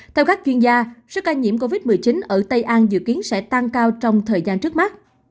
theo các chuyên gia số ca nhiễm covid một mươi chín ở tây an dự kiến sẽ tăng cao trong thời gian trước mắt